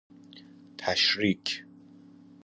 تشریک